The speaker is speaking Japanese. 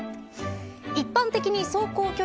一般的に走行距離